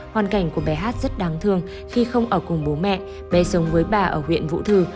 hoàn cảnh của bé hát rất đáng thương khi không ở cùng bố mẹ bé sống với bà ở huyện vũ thư